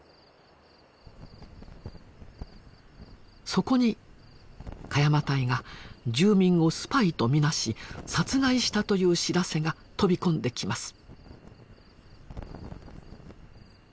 そこに鹿山隊が住民をスパイとみなし殺害したという知らせが飛び込んできます。